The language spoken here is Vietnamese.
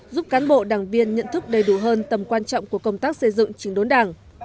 giúp cán bộ đảng viên nhận thức đầy đủ hơn tầm quan trọng của công tác xây dựng chính đốn đảng